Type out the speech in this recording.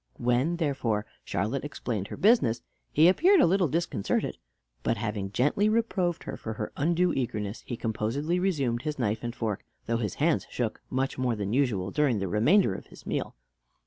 When, therefore, Charlotte explained her business, he appeared a little disconcerted; but having gently reproved her for her undue eagerness, he composedly resumed his knife and fork, though his hand shook much more than usual during the remainder of his meal.